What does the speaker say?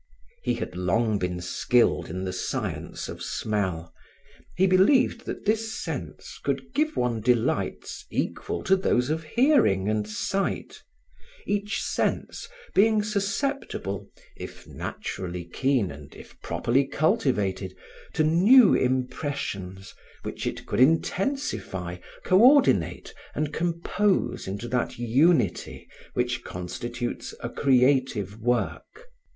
He had long been skilled in the science of smell. He believed that this sense could give one delights equal to those of hearing and sight; each sense being susceptible, if naturally keen and if properly cultivated, to new impressions, which it could intensify, coordinate and compose into that unity which constitutes a creative work.